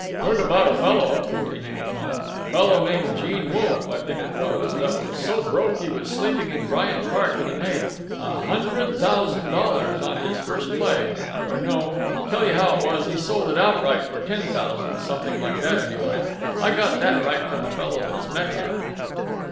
"Heard about a fellow," continued Tom—" fellow named Gene Wolf, I think it was—that was so broke he was sleeping in Bryant Park, and he made a hundred thousand dollars on his first play—or, no; tell you how it was: he sold it outright for ten thousand—something like that, anyway. I got that right from a fellow that's met him."